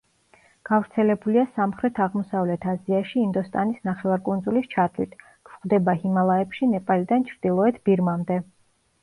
გავრცელებულია სამხრეთ-აღმოსავლეთ აზიაში ინდოსტანის ნახევარკუნძულის ჩათვლით; გვხვდება ჰიმალაებში, ნეპალიდან ჩრდილოეთ ბირმამდე.